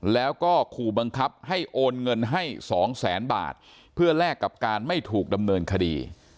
แล้วก็ขู่บังคับให้โอนเงินให้สองแสนบาทเพื่อแลกกับการไม่ถูกดำเนินคดี